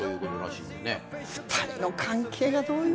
２人の関係がどういう。